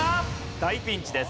大ピンチです。